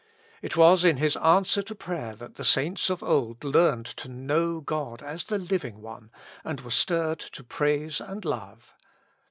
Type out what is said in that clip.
It was in His answer to prayer that the saints of old learned to know God as the Living One, and were stirred to praise and love (Ps.